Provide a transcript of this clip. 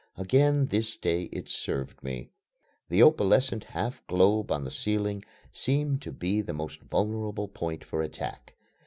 Again this day it served me. The opalescent half globe on the ceiling seemed to be the most vulnerable point for attack.